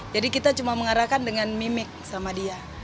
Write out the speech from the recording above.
jadi kita cuma mengarahkan dengan mimik sama dia